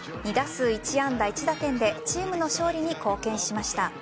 ２打数１安打１打点でチームの勝利に貢献しました。